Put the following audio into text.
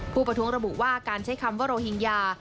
ประท้วงระบุว่าการใช้คำว่าโรฮิงญา